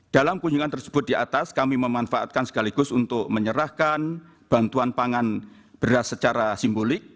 dalam kunjungan tersebut di atas kami memanfaatkan sekaligus untuk menyerahkan bantuan pangan beras secara simbolik